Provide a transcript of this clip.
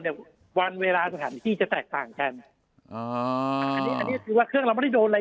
นี้วันเวลาสถานีที่จะแตกกันอ๋อว่าเราไม่ได้โดนอะไร